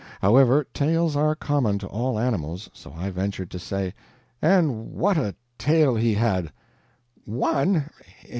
However, tails are common to all animals, so I ventured to say: "And what a tail he had!" "ONE!